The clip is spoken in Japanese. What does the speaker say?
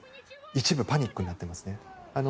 一部パニックになっています。